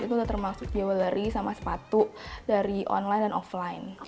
itu udah termasuk jewellery sama sepatu dari online dan offline